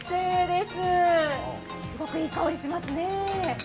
すごくいい香りがしますね。